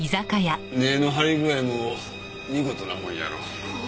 根の張り具合も見事なもんやろ。